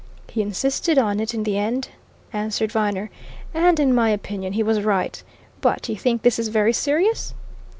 "He insisted on it in the end," answered Viner. "And in my opinion he was right. But you think this is very serious?"